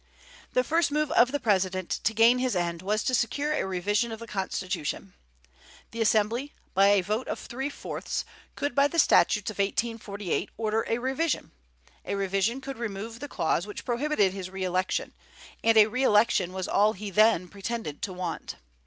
The first move of the President to gain his end was to secure a revision of the Constitution. The Assembly, by a vote of three fourths, could by the statutes of 1848 order a revision; a revision could remove the clause which prohibited his re election, and a re election was all he then pretended to want.